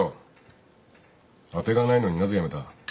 当てがないのになぜ辞めた。